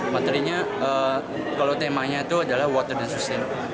materinya kalau temanya itu adalah water and sustainability